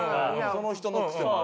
その人の癖もある。